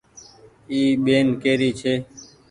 اي ٻين ڪي ري ڇي ۔